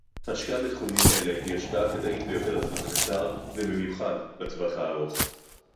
השקעה בתחומים אלה היא השקעה כדאית ביותר לטווח הקצר ובמיוחד לטווח הארוך